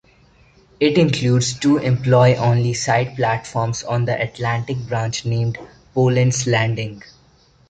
It includes two employee-only side platforms on the Atlantic Branch named Boland's Landing.